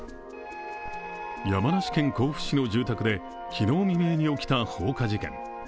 山梨県甲府市の住宅で昨日未明に起きた放火事件。